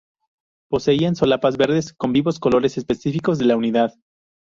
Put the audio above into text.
Poseían solapas verdes, con vivos colores específicos de la unidad.